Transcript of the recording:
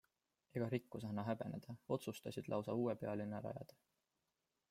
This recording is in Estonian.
Ega rikkus anna häbeneda, otsustasid lausa uue pealinna rajada.